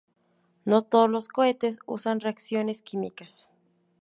No todos los cohetes usan reacciones químicas.